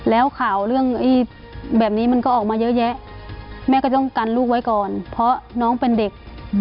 แล้วข่าวเรื่องแบบนี้มันก็ออกมาเยอะแยะแม่ก็ต้องกันลูกไว้ก่อนเพราะน้องเป็นเด็ก